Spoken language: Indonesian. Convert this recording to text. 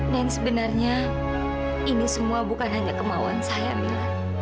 dan sebenarnya ini semua bukan hanya kemauan saya mila